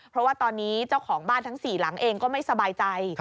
เพราะว่าตอนนี้เจ้าของบ้านทั้ง๔หลังเองก็ไม่สบายใจ